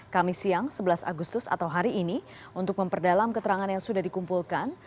kami siang sebelas agustus atau hari ini untuk memperdalam keterangan yang sudah dikumpulkan